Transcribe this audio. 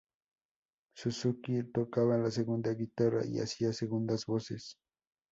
Suzuki tocaba la segunda guitarra y hacía segundas voces.